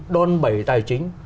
đoàn bảy tài chính